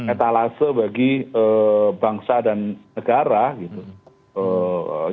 etalase bagi bangsa dan negara gitu